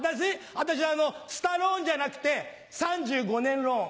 私スタローンじゃなくて３５年ローン。